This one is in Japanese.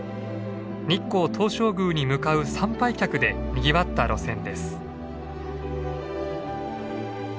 日光東照宮に向かう参拝客でにぎわった路線です。